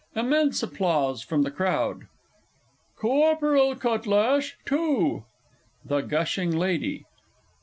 Immense applause from the Crowd._) Corporal Cutlash two! THE GUSHING LADY.